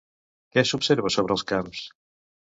Què s'observa sobre els camps?